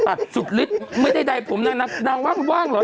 สุดฤทธิ์ไม่ได้ใดผมนางว่างเหรอ